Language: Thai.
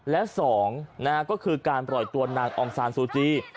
และ๒ก็คือการปล่อยตัวนางองซานซูจี